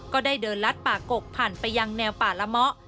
ก็ได้เดินลัดป่ากกผ่านไปยังแนวป่าละเมาะ